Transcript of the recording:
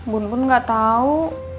bun bun gak tau